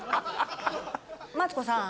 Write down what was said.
マツコさん